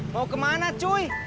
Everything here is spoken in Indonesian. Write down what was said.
mau kemana cuy